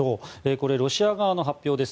これ、ロシア側の発表です。